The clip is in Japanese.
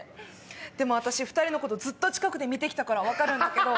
でも私２人のことずっと近くで見て来たから分かる。